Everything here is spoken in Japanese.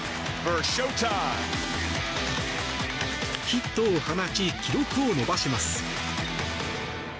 ヒットを放ち記録を伸ばします。